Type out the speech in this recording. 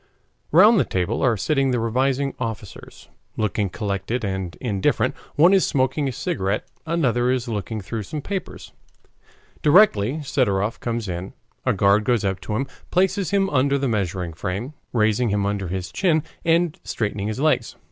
Round the table are sitting the revising officers, looking collected and indifferent. One is smoking a cigarette; another is looking through some papers. Directly Sidorov comes in, a guard goes up to him, places him under the measuring frame, raising him under his chin, and straightening his legs.